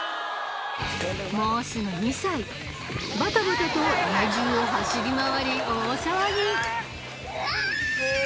もうすぐ２歳バタバタと家じゅうを走り回り大騒ぎ